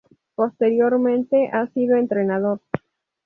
Posteriormente ha sido entrenador.